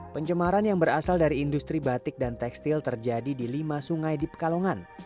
pencemaran yang berasal dari industri batik dan tekstil terjadi di lima sungai di pekalongan